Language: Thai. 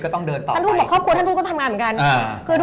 ท่านทูบบอกครอบครัวท่านทูบก็ต้องทำงานเหมือนกัน